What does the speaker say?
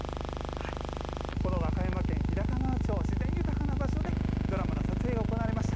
この和歌山県日高川町、自然豊かな場所で、ドラマの撮影が行われました。